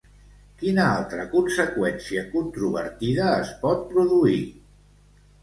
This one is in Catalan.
Quina altra conseqüència controvertida es pot produir?